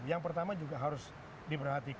yang pertama juga harus diperhatikan